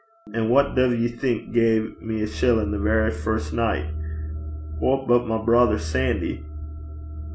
An' wha duv ye think gae me a shillin' the verra first nicht? Wha but my brither Sandy?'